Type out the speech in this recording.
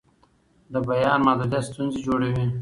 د بیان محدودیت ستونزې جوړوي